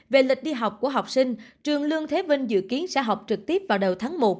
về lịch đi học của học sinh trường lương thế vinh dự kiến sẽ học trực tiếp vào đầu tháng một